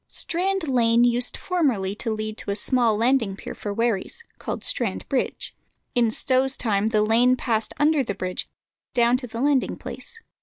Strand Lane used formerly to lead to a small landing pier for wherries, called Strand Bridge. In Stow's time the lane passed under a bridge down to the landing place.